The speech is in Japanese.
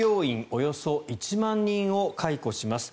およそ１万人を解雇します。